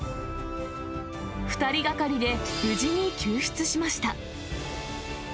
２人がかりで無事に救出しました。